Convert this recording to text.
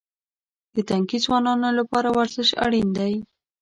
د تنکي ځوانانو لپاره ورزش اړین دی.